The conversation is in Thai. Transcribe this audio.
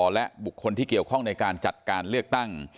และบุคคลที่เกี่ยวข้องในการจัดการเลือกตั้ง